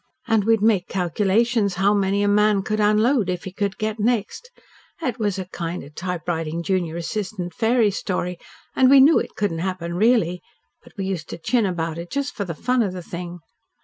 And we'd make calculations how many a man could unload, if he could get next. It was a kind of typewriting junior assistant fairy story, and we knew it couldn't happen really. But we used to chin about it just for the fun of the thing.